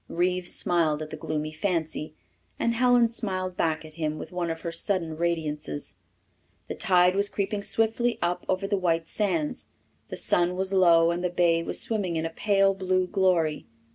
Reeves smiled at the gloomy fancy, and Helen smiled back at him with one of her sudden radiances. The tide was creeping swiftly up over the white sands. The sun was low and the bay was swimming in a pale blue glory.